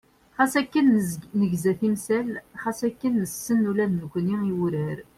Xas akken negza timsal, xas akken nessen ula d nekkni i wurar.